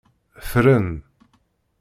Ffren.